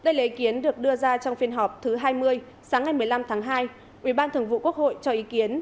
đây là ý kiến được đưa ra trong phiên họp thứ hai mươi sáng ngày một mươi năm tháng hai ủy ban thường vụ quốc hội cho ý kiến